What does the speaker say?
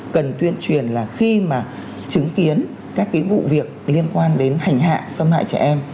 cần tuyên truyền là khi mà chứng kiến các cái vụ việc liên quan đến hành hạ xâm hại trẻ em